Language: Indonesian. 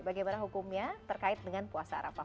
bagaimana hukumnya terkait dengan puasa arafah